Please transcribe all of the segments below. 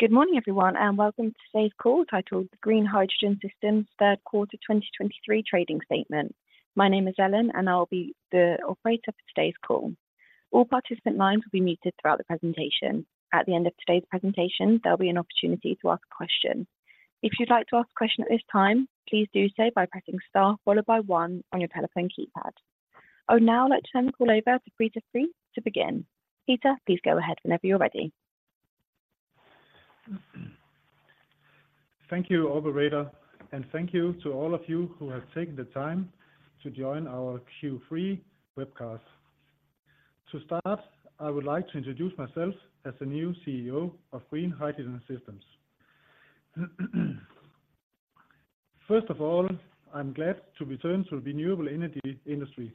Good morning, everyone, and welcome to today's call, titled Green Hydrogen Systems Third Quarter 2023 Trading Statement. My name is Ellen, and I'll be the operator for today's call. All participant lines will be muted throughout the presentation. At the end of today's presentation, there'll be an opportunity to ask a question. If you'd like to ask a question at this time, please do so by pressing star followed by one on your telephone keypad. I would now like to turn the call over to Peter Friis to begin. Peter, please go ahead whenever you're ready. Thank you, operator, and thank you to all of you who have taken the time to join our Q3 webcast. To start, I would like to introduce myself as the new CEO of Green Hydrogen Systems. First of all, I'm glad to return to the renewable energy industry.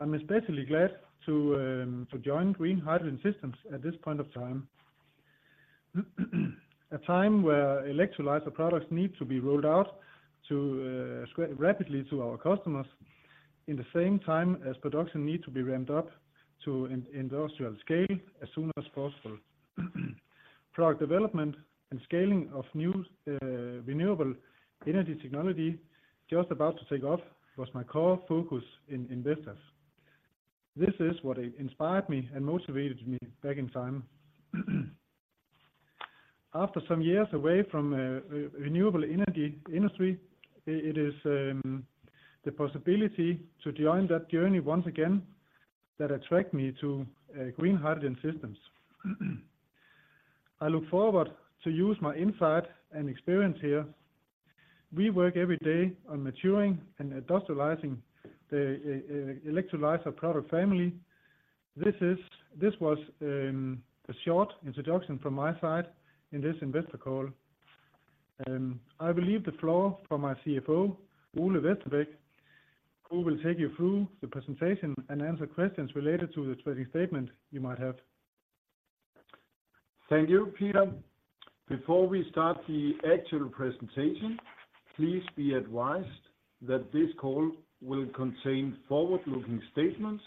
I'm especially glad to to join Green Hydrogen Systems at this point of time. A time where electrolyzer products need to be rolled out to rapidly to our customers, in the same time as production need to be ramped up to an industrial scale as soon as possible. Product development and scaling of new renewable energy technology, just about to take off, was my core focus in investors. This is what inspired me and motivated me back in time. After some years away from renewable energy industry, it is the possibility to join that journey once again, that attract me to Green Hydrogen Systems. I look forward to use my insight and experience here. We work every day on maturing and industrializing the electrolyzer product family. This was a short introduction from my side in this investor call. I will leave the floor for my CFO, Ole Vesterbæk, who will take you through the presentation and answer questions related to the trading statement you might have. Thank you, Peter. Before we start the actual presentation, please be advised that this call will contain forward-looking statements,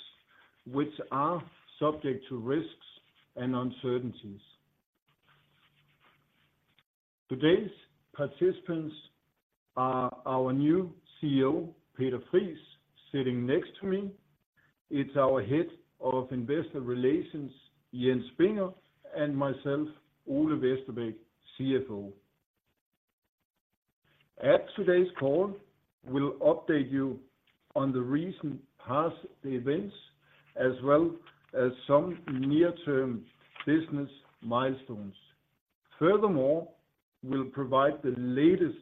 which are subject to risks and uncertainties. Today's participants are our new CEO, Peter Friis, sitting next to me. It's our Head of Investor Relations, Jens Binger, and myself, Ole Vesterbæk, CFO. At today's call, we'll update you on the recent past events, as well as some near-term business milestones. Furthermore, we'll provide the latest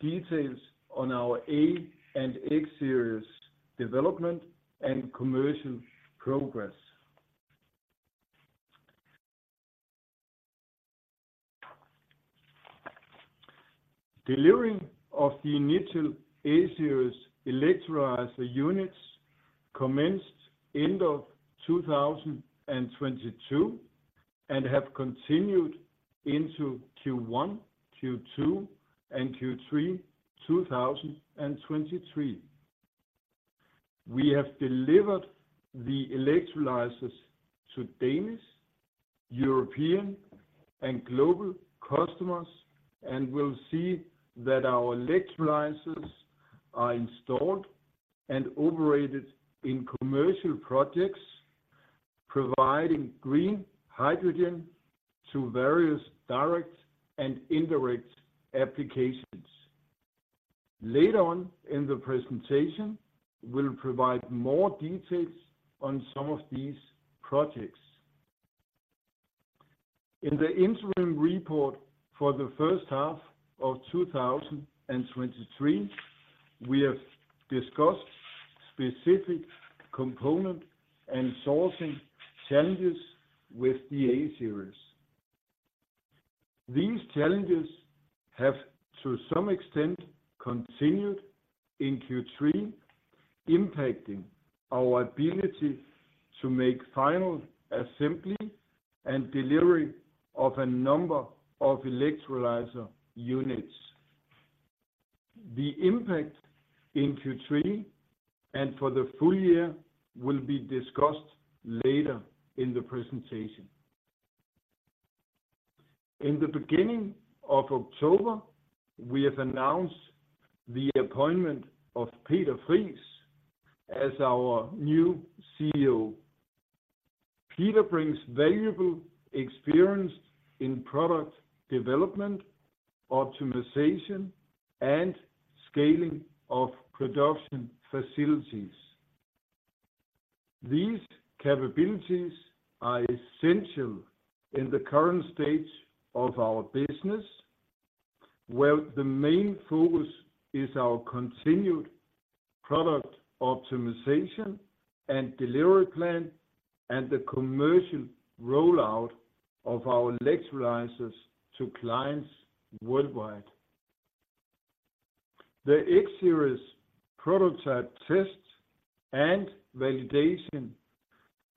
details on our A and X-Series development and commercial progress. Delivery of the initial X-Series electrolyzer units commenced end of 2022, and have continued into Q1, Q2, and Q3 2023. We have delivered the electrolyzers to Danish, European, and global customers, and we'll see that our electrolyzers are installed and operated in commercial projects, providing green hydrogen to various direct and indirect applications. Later on in the presentation, we'll provide more details on some of these projects. In the interim report for the first half of 2023, we have discussed specific component and sourcing challenges with the X-Series. These challenges have, to some extent, continued in Q3, impacting our ability to make final assembly and delivery of a number of electrolyzer units. The impact in Q3 and for the full year will be discussed later in the presentation. In the beginning of October, we have announced the appointment of Peter Friis as our new CEO. Peter brings valuable experience in product development, optimization, and scaling of production facilities. These capabilities are essential in the current stage of our business, where the main focus is our continued product optimization and delivery plan, and the commercial rollout of our electrolyzers to clients worldwide. The X-Series prototype tests and validation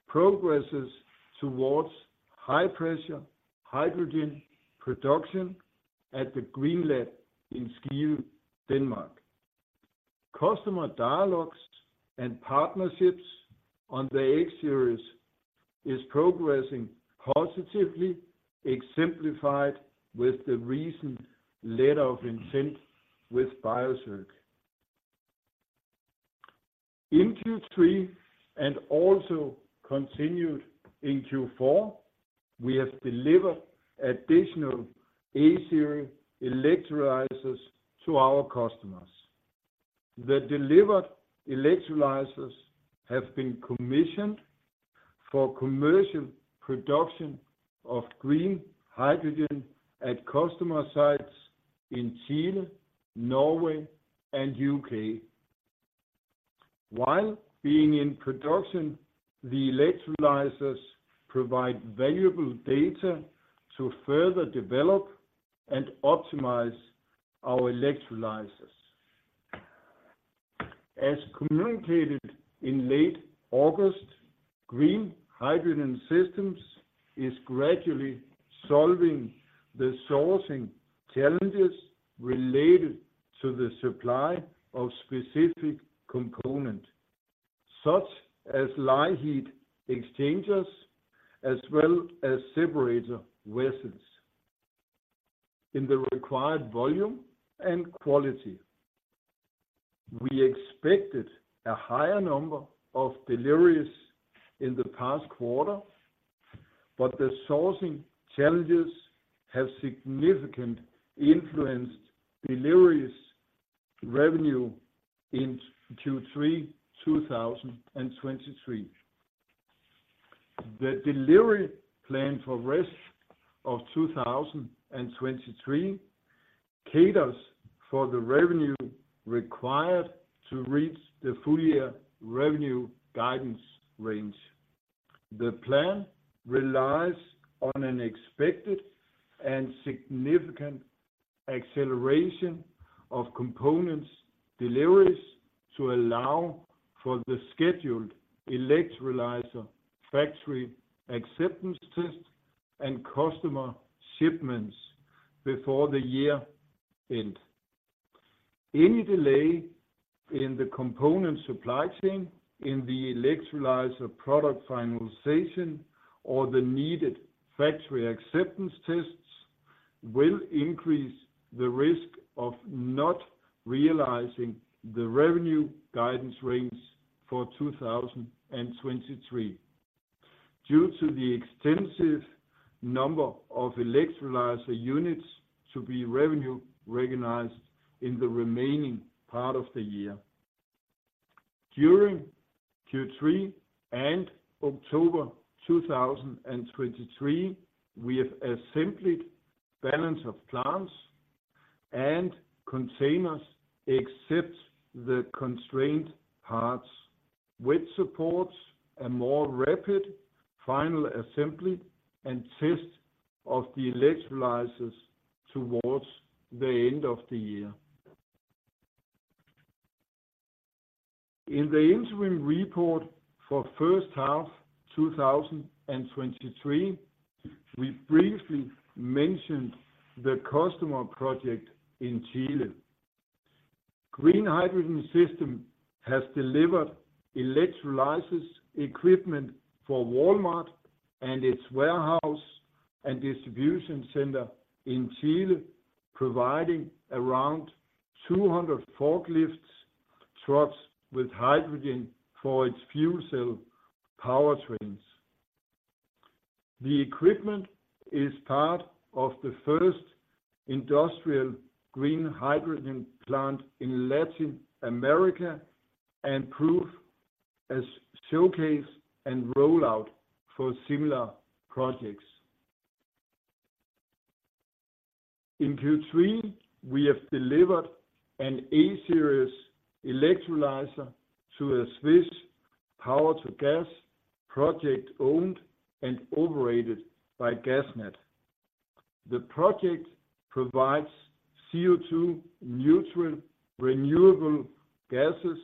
progresses towards high-pressure hydrogen production at the GreenLab in Skive, Denmark.... Customer dialogues and partnerships on the X-Series is progressing positively, exemplified with the recent letter of intent with BioCirc. In Q3, and also continued in Q4, we have delivered additional X-Series electrolyzers to our customers. The delivered electrolyzers have been commissioned for commercial production of green hydrogen at customer sites in Chile, Norway, and U.K. While being in production, the electrolyzers provide valuable data to further develop and optimize our electrolyzers. As communicated in late August, Green Hydrogen Systems is gradually solving the sourcing challenges related to the supply of specific component, such as brazed heat exchangers, as well as separator vessels in the required volume and quality. We expected a higher number of deliveries in the past quarter, but the sourcing challenges have significantly influenced deliveries revenue in Q3 2023. The delivery plan for rest of 2023 caters for the revenue required to reach the full year revenue guidance range. The plan relies on an expected and significant acceleration of components deliveries to allow for the scheduled electrolyzer Factory Acceptance Test and customer shipments before the year end. Any delay in the component supply chain in the electrolyzer product finalization, or the needed Factory Acceptance Tests, will increase the risk of not realizing the revenue guidance range for 2023 due to the extensive number of electrolyzer units to be revenue recognized in the remaining part of the year. During Q3 and October 2023, we have assembled balance of plants and containers, except the constrained parts, which supports a more rapid final assembly and test of the electrolyzers towards the end of the year. In the interim report for first half 2023, we briefly mentioned the customer project in Chile. Green Hydrogen Systems has delivered electrolyzer equipment for Walmart and its warehouse and distribution center in Chile, providing around 200 forklifts, trucks with hydrogen for its fuel cell powertrains. The equipment is part of the first industrial green hydrogen plant in Latin America, and proof as showcase and rollout for similar projects. In Q3, we have delivered an X-Series electrolyzer to a Swiss Power-to-Gas project, owned and operated by Gaznat. The project provides CO2 neutral, renewable gases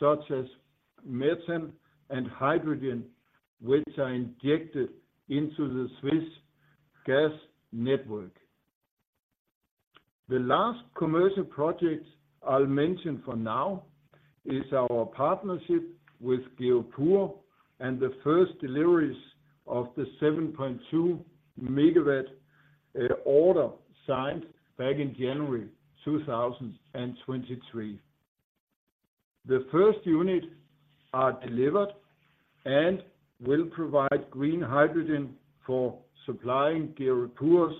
such as methane and hydrogen, which are injected into the Swiss gas network. The last commercial project I'll mention for now is our partnership with GeoPura, and the first deliveries of the 7.2 MW order signed back in January 2023. The first unit are delivered and will provide green hydrogen for supplying GeoPura's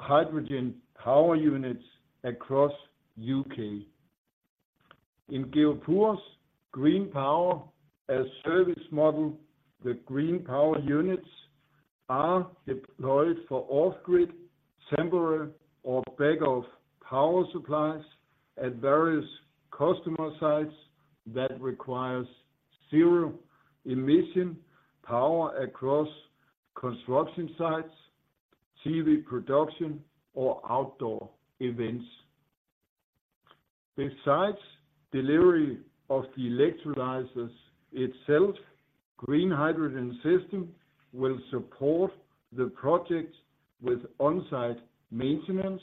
hydrogen power units across U.K. In GeoPura's green power as service model, the green power units are deployed for off-grid, temporary, or backup power supplies at various customer sites that requires zero-emission power across construction sites, TV production, or outdoor events. Besides delivery of the electrolyzers itself, Green Hydrogen Systems will support the projects with on-site maintenance,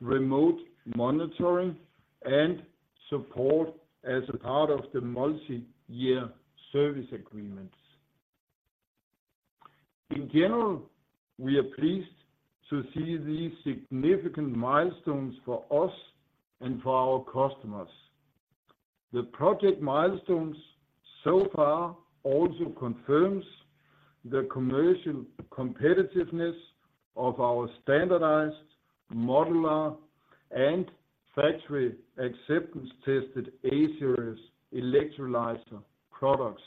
remote monitoring, and support as a part of the multi-year service agreements. In general, we are pleased to see these significant milestones for us and for our customers. The project milestones so far also confirms the commercial competitiveness of our standardized, modular, and factory acceptance-tested X-Series electrolyzer products.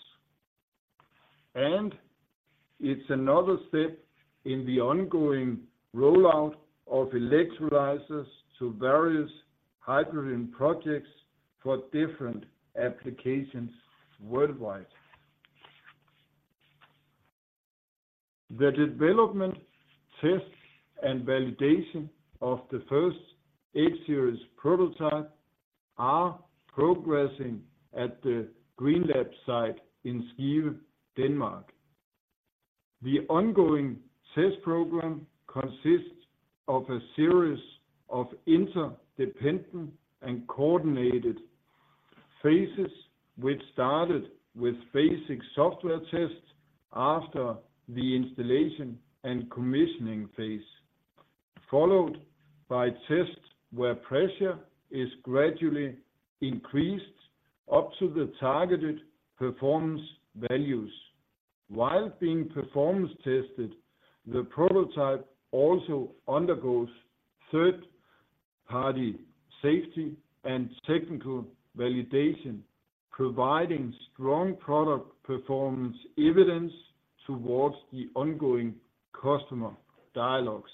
It's another step in the ongoing rollout of electrolyzers to various hydrogen projects for different applications worldwide. The development, tests, and validation of the first X-Series prototype are progressing at the GreenLab site in Skive, Denmark. The ongoing test program consists of a series of interdependent and coordinated phases, which started with basic software tests after the installation and commissioning phase, followed by tests where pressure is gradually increased up to the targeted performance values. While being performance tested, the prototype also undergoes third-party safety and technical validation, providing strong product performance evidence towards the ongoing customer dialogues.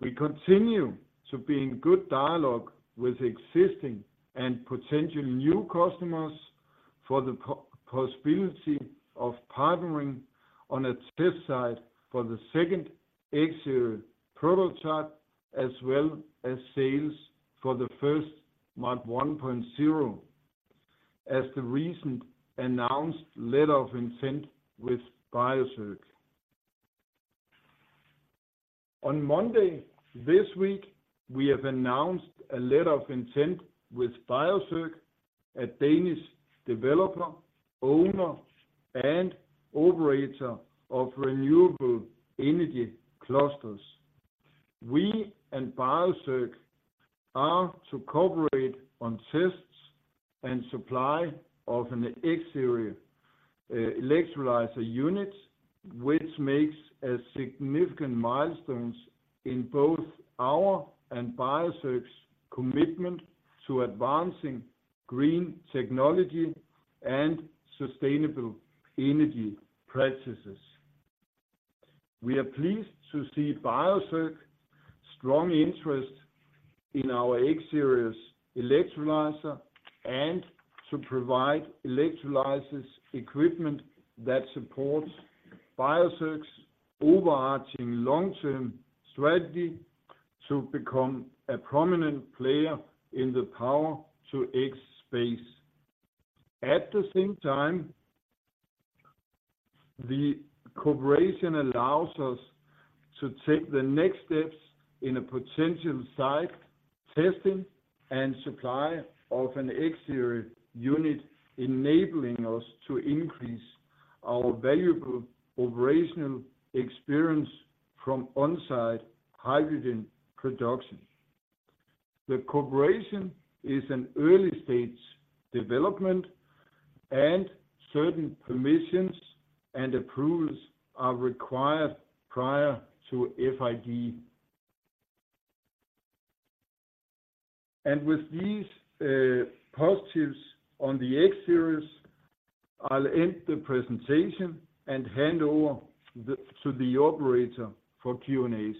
We continue to be in good dialogue with existing and potential new customers for the possibility of partnering on a test site for the second X-Series prototype, as well as sales for the first mod 1.0, as the recent announced letter of intent with BioCirc. On Monday this week, we have announced a letter of intent with BioCirc, a Danish developer, owner, and operator of renewable energy clusters. We and BioCirc are to cooperate on tests and supply of an X-Series electrolyzer unit, which makes a significant milestones in both our and BioCirc's commitment to advancing green technology and sustainable energy practices. We are pleased to see BioCirc's strong interest in our X-Series electrolyzer, and to provide electrolyzers equipment that supports BioCirc's overarching long-term strategy to become a prominent player in the Power-to-X space. At the same time, the cooperation allows us to take the next steps in a potential site testing and supply of an X-Series unit, enabling us to increase our valuable operational experience from on-site hydrogen production. The cooperation is an early stage development, and certain permissions and approvals are required prior to FID. With these positives on the X-Series, I'll end the presentation and hand over to the operator for Q&As.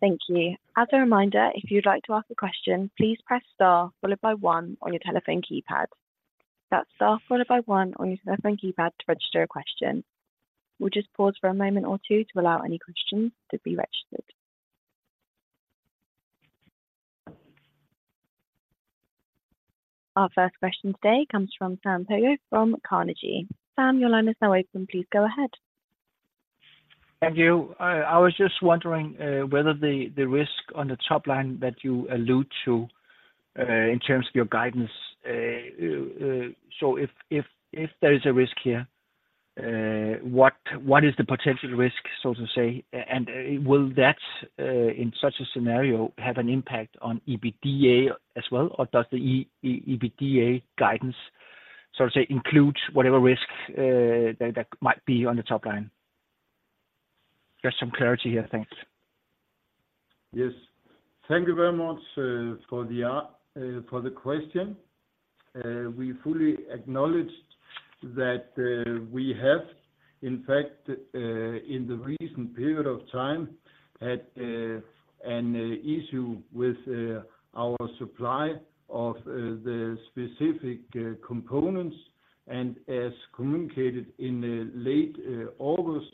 Thank you. As a reminder, if you'd like to ask a question, please press star followed by one on your telephone keypad. That's star followed by one on your telephone keypad to register a question. We'll just pause for a moment or two to allow any questions to be registered. Our first question today comes from Sam [unknown] from Carnegie. Sam, your line is now open. Please go ahead. Thank you. I was just wondering whether the risk on the top line that you allude to in terms of your guidance, so if there is a risk here, what is the potential risk, so to say? And will that in such a scenario have an impact on EBITDA as well, or does the EBITDA guidance, so to say, include whatever risk that might be on the top line? Just some clarity here. Thanks. Yes. Thank you very much for the question. We fully acknowledge that we have, in fact, in the recent period of time, had an issue with our supply of the specific components. As communicated in the late August,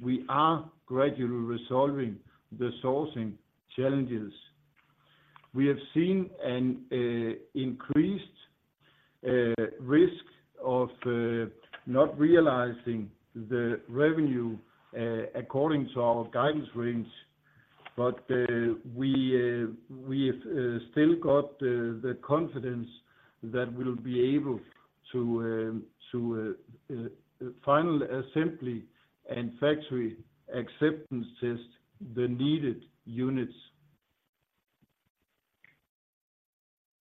we are gradually resolving the sourcing challenges. We have seen an increased risk of not realizing the revenue according to our guidance range, but we've still got the confidence that we'll be able to final assembly and factory acceptance test the needed units.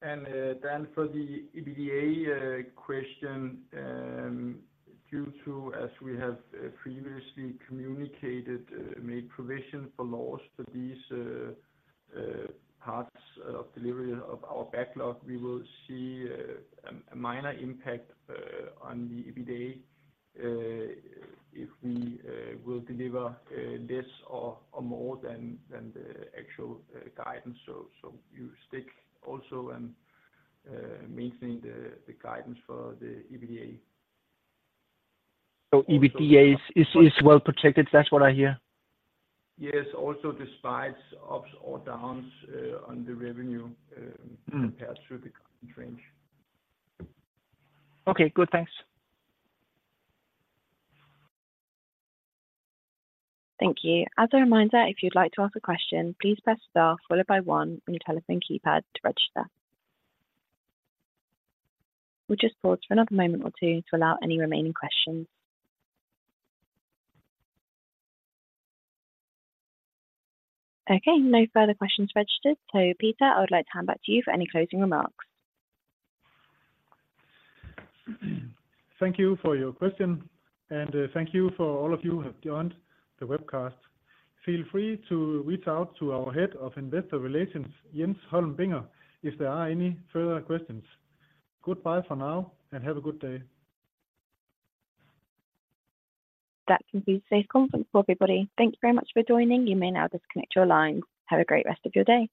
And then for the EBITDA question, due to, as we have previously communicated, made provision for loss to these parts of delivery of our backlog, we will see a minor impact on the EBITDA if we will deliver less or more than the actual guidance. So you stick also and maintain the guidance for the EBITDA. So EBITDA is well protected? That's what I hear. Yes. Also, despite ups or downs on the revenue. Mm. compared to the current range. Okay, good. Thanks. Thank you. As a reminder, if you'd like to ask a question, please press star followed by one on your telephone keypad to register. We'll just pause for another moment or two to allow any remaining questions. Okay, no further questions registered. So, Peter, I would like to hand back to you for any closing remarks. Thank you for your question, and thank you for all of you who have joined the webcast. Feel free to reach out to our Head of Investor Relations, Jens Holm Binger, if there are any further questions. Goodbye for now, and have a good day. That concludes today's conference call, everybody. Thank you very much for joining. You may now disconnect your lines. Have a great rest of your day.